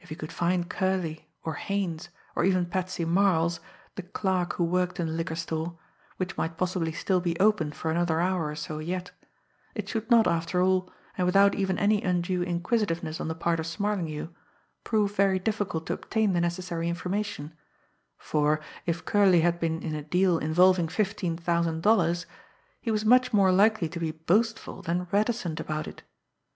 If he could find Curley, or Haines, or even Patsy Marles, the clerk who worked in the liquor store which might possibly still be open for another hour or so yet it should not, after all, and without even any undue inquisitiveness on the part of Smarlinghue, prove very difficult to obtain the necessary information, for, if Curley had been in a deal involving fifteen thousand dollars, he was much more likely to be boastful than reticent about it.